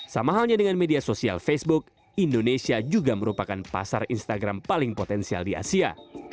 sama halnya dengan media sosial facebook indonesia juga merupakan pasar instagram paling potensial di asia